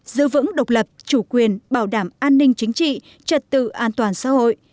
giữ vững độc lập chủ quyền bảo đảm an ninh chính trị trật tự an toàn xã hội